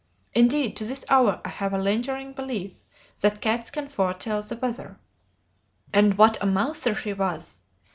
Indeed, to this hour I have a lingering belief that cats can foretell the weather. "And what a mouser she was!